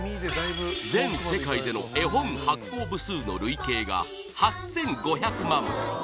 全世界での絵本発行部数の累計が８５００万部